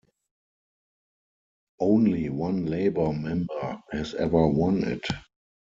Only one Labor member has ever won it.